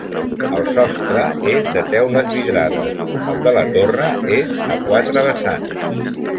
El sostre és de teules vidrades, el de la torre és a quatre vessants.